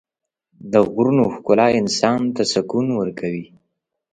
د غرونو ښکلا انسان ته سکون ورکوي.